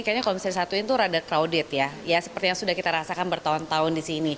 kayaknya kalau misalnya satu ini tuh agak crowded ya seperti yang sudah kita rasakan bertahun tahun